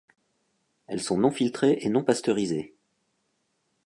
Elles sont non filtrées et non pasteurisées.